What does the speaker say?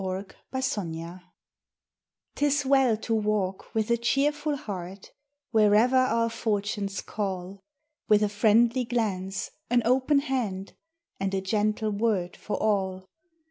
'Tis well to walk with a cheerful heart Wherever our fortunes call, With a friendly glance, an open hand, And a gentle word for all.